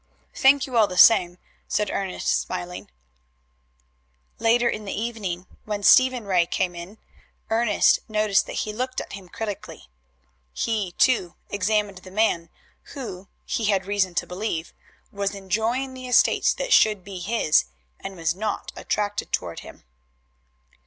"Thank you all the same," said Ernest, smiling. Later in the evening, when Stephen Ray came in, Ernest noticed that he looked at him critically. He, too, examined the man who, he had reason to believe, was enjoying the estates that should be his, and was not attracted toward him.